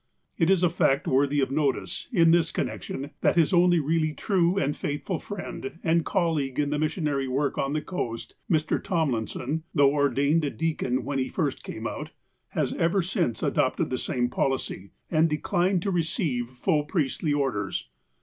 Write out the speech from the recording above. It is a fact worthy of notice, in this connection, that his only really true and faithful friend and colleague in the missionary work on the coast, Mr. Tomliusou, though ordained a deacon when he first came out, has ever since adopted the same policy, and declined to receive full priestly orders.